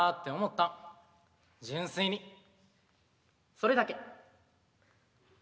それだけ。